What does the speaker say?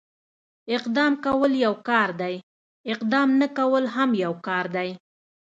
اقدام کول يو کار دی، اقدام نه کول هم يو کار دی.